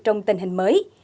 trong tình hình mới